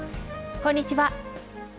こんにちは。